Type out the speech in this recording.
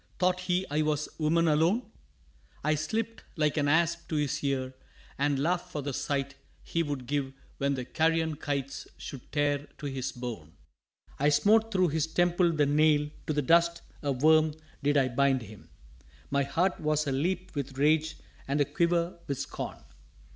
thought he I was woman alone? I slipt like an asp to his ear and laughed for the sight he Would give when the carrion kites should tear to his bone. I smote thro' his temple the nail, to the dust, a worm, did I bind him. My heart was a leap with rage and a quiver with scorn.